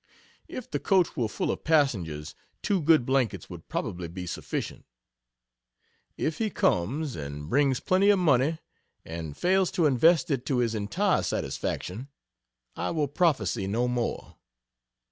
If the coach were full of passengers, two good blankets would probably be sufficient. If he comes, and brings plenty of money, and fails to invest it to his entire satisfaction; I will prophesy no more.